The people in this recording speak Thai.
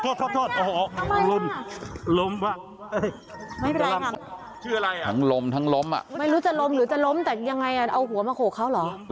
เอาหัวมาโขเขาเหรอ